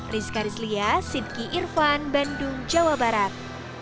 rizka rizlia sidki irfan bandung jawa barat